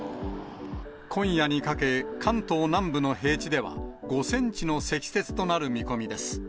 今夜にかけ、関東南部の平地では、５センチの積雪となる見込みです。